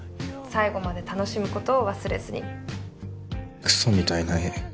最後まで楽しむことを忘れずにクソみたいな絵